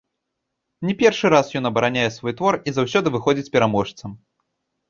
Не першы раз ён абараняе свой твор і заўсёды выходзіць пераможцам.